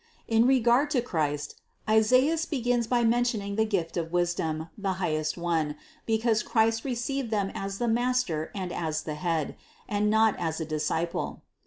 In regard to Christ, Isaias begins by mentioning the gift of wisdom, the highest one, because Christ re ceived them as the Master and as the Head, and not as a disciple.